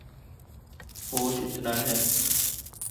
ہوش اتنا ہے